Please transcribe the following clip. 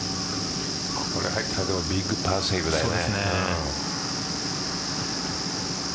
ここで入ったらビッグパーセーブだよね。